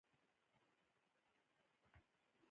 تېمورشاه پوځ سره پېښور ته رسېدلی.